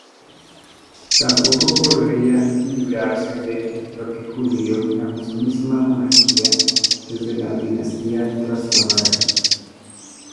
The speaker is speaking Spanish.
Tampoco podía librarse de entronque judío la mismísima monarquía, desde la dinastía Trastamara.